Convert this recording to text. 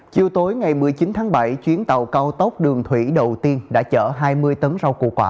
chiều tối ngày một mươi chín tháng bảy chuyến tàu cao tốc đường thủy đầu tiên đã chở hai mươi tấn rau củ quả